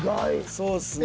そうっすね。